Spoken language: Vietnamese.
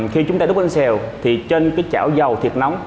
khi chúng ta đúc bánh xèo thì trên cái chảo dầu thiệt nóng